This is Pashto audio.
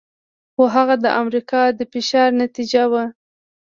خو هغه د امریکا د فشار نتیجه وه.